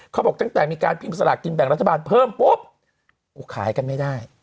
เขาบอกตั้งแต่มีการพิมพ์สลากกินแบ่งรัฐบาลเพิ่มปุ๊บขายกันไม่ได้